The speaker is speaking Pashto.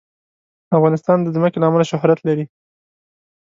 افغانستان د ځمکه له امله شهرت لري.